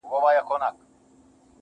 داده ميني ښار وچاته څه وركوي,